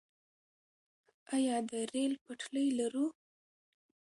آیا د ریل پټلۍ لرو؟